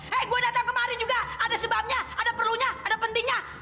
kayak gue datang kemari juga ada sebabnya ada perlunya ada pentingnya